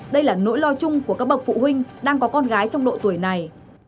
đây là nỗi lo chung của các bậc phụ huynh đang có con gái trong độ tuổi này